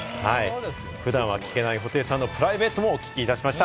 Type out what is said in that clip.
普段は聞けない布袋さんのプライベートもお聞きしました。